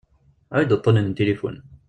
Awi-d uṭṭunen n tilifun.